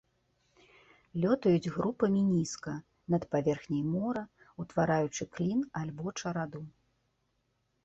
Лётаюць групамі нізка над паверхняй мора, утвараючы клін альбо чараду.